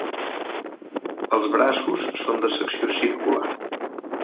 Els braços són de secció circular.